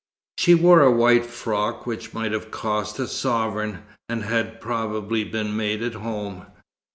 She wore a white frock which might have cost a sovereign, and had probably been made at home.